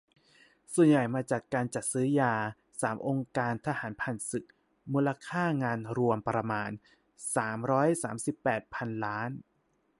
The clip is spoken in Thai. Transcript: ส่วนใหญ่มาจากการจัดซื้อยา สาม องค์การทหารผ่านศึก มูลค่างานรวมประมาณ สามร้อยสามสิบแปด พันล้าน